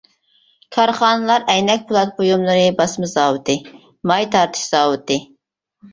كارخانىلار ئەينەك پولات بۇيۇملىرى باسما زاۋۇتى، ماي تارتىش زاۋۇتى.